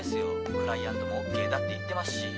クライアントもＯＫだって言ってますし。